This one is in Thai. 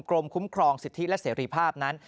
กรมคุ้มครองสิทธิและเสรีภาพนั้น